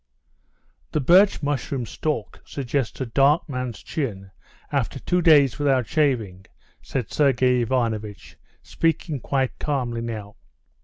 "The birch mushroom's stalk suggests a dark man's chin after two days without shaving," said Sergey Ivanovitch, speaking quite calmly now.